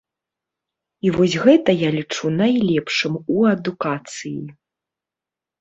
І вось гэта я лічу найлепшым у адукацыі.